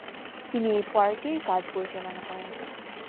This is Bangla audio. তিনি এই পার্টির কাজ পরিচালনা করেন।